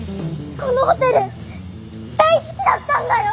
このホテル大好きだったんだよ。